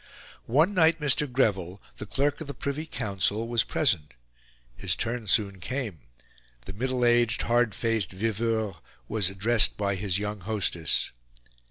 One night Mr. Greville, the Clerk of the Privy Council, was present; his turn soon came; the middle aged, hard faced viveur was addressed by his young hostess.